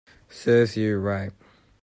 Serves you right